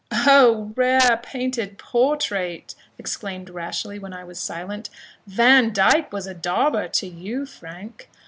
"O rare painted portrait!" exclaimed Rashleigh, when I was silent "Vandyke was a dauber to you, Frank.